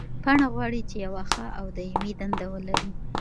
پاڼه غواړي چې یوه ښه او دایمي دنده ولري.